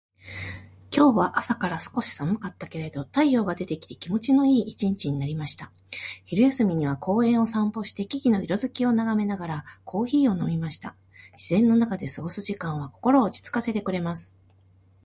今日は朝から少し寒かったけれど、太陽が出てきて気持ちのいい一日になりました。昼休みには公園を散歩して、木々の色づきを眺めながらコーヒーを飲みました。自然の中で過ごす時間は心を落ち着かせてくれます。